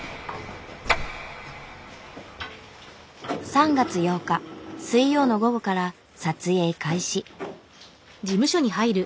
３月８日水曜の午後から撮影開始。